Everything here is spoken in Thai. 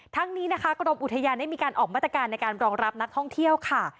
ทั้งนี้นะคะกรมอุทยานได้มีการออกมาตรการในการรองรับนักท่องเที่ยวค่ะ